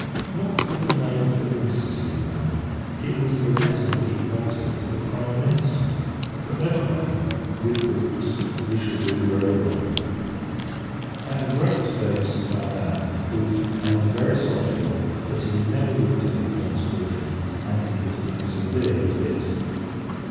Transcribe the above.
What could the name of the minister signify! It was the letter which was wanted to the Prime Minister. But, never mind; with prudence, we shall do very well. I have wrote to Davison, by land: who, I am very sorry for; but, he never would take a friend's caution, and he has been severely bit.